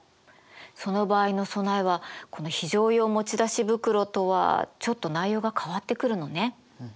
その場合の備えはこの非常用持ち出し袋とはちょっと内容が変わってくるのね。